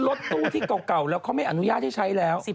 รถตู้ที่เก่าแล้วเขาไม่อนุญาตให้ใช้แล้ว